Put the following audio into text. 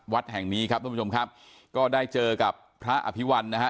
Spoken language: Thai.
วัดแห่งนี้ครับทุกผู้ชมครับก็ได้เจอกับพระอภิวัลนะฮะ